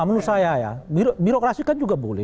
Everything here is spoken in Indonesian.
menurut saya ya birokrasi kan juga boleh